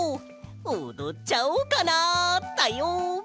おどっちゃおうかなだよ！